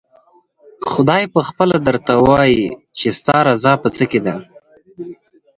خدای پخپله درته ووايي چې ستا رضا په څه کې ده؟